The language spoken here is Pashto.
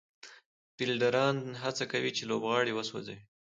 فېلډران هڅه کوي، چي لوبغاړی وسوځوي.